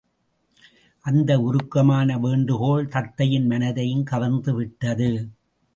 அந்த உருக்கமான வேண்டுகோள் தத்தையின் மனத்தையும் கவர்ந்துவிட்டது.